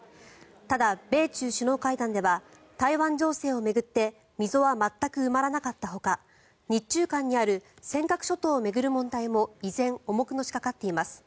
ただ、米中首脳会談では台湾情勢を巡って溝は全く埋まらなかったほか日中間にある尖閣諸島を巡る問題も依然、重くのしかかっています。